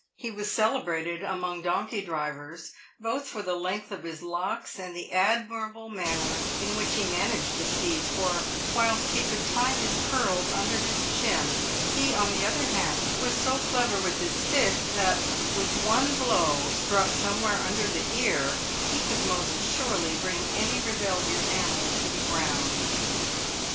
He w r as celebrated among donkey drivers both for the length of his locks and the ad mirable manner in which he managed the steeds, for, whilst he could tie his curls under his chin, he, on the other hand, was so clever with his stick, that, with one blow struck somewhere under the ear, he could most surely bring any rebellious animal to the ground.